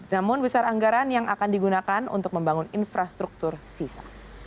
namun besar anggaran yang akan digunakan untuk membangun infrastruktur sisa